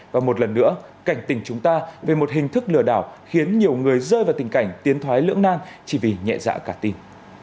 và một lần nữa cảnh tình chúng ta về một hình thức lừa đảo khiến nhiều người rơi vào tình cảnh tiến thoái lưỡng nan chỉ vì nhẹ dạ cả tin